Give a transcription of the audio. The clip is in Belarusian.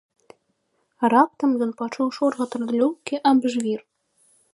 Раптам ён пачуў шоргат рыдлёўкі аб жвір.